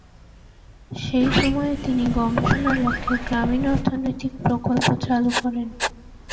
সেই সময়ে তিনি গবেষণার লক্ষ্যে গ্রামীণ অর্থনৈতিক প্রকল্প চালু করেন।